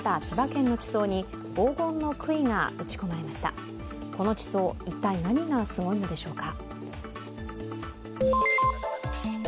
この地層、一体何がすごいんでしょうか。